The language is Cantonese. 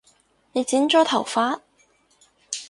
你剪咗頭髮？